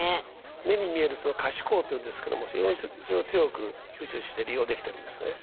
目に見えるその可視光というんですけども非常にそれを強く吸収して利用できてるんですね。